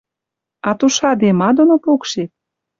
А тушаде ма доно пукшет?»